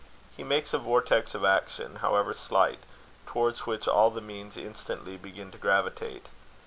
He makes a vortex of action, however slight, towards which all the means instantly begin to gravitate.